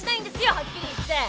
はっきり言って！